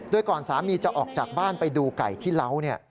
โดยก่อนสามีจะออกจากบ้านไปดูไก่ที่เล้า